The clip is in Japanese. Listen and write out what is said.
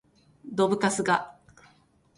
どぶカスが